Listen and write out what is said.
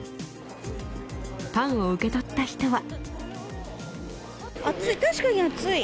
パンを受け取った人は。